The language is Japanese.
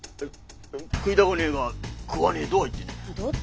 食いだぐねえが食わねえどは言ってねえ。